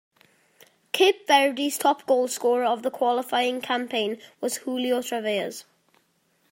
Cape Verde's top goalscorer of the qualifying campaign was Julio Tavares.